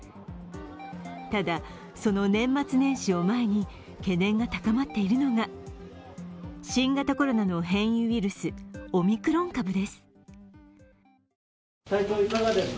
ただ、その年末年始を前に懸念が高まっているのが新型コロナの変異ウイルス、オミクロン株です。